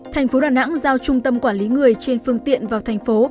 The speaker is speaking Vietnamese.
thành phố đà nẵng giao trung tâm quản lý người trên phương tiện vào thành phố